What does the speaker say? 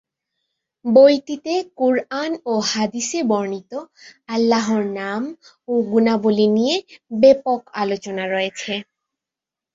বইটিতে কুরআন ও হাদীসে বর্ণীত আল্লাহর নাম ও গুণাবলী নিয়ে ব্যাপক আলোচনা রয়েছে।